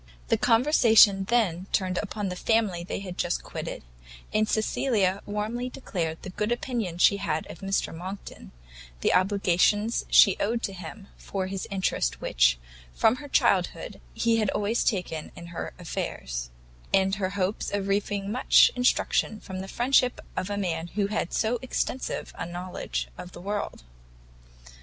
The conversation then turned upon the family they had just quitted, and Cecilia warmly declared the good opinion she had of Mr Monckton, the obligations she owed to him for the interest which, from her childhood, he had always taken in her affairs; and her hopes of reaping much instruction from the friendship of a man who had so extensive a knowledge of the world.